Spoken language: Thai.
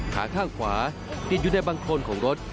ขาข้างขวาติดอยู่ในบังโครนของรถ